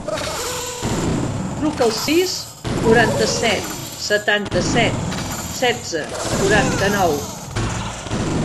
Truca al sis, noranta-set, setanta-set, setze, quaranta-nou.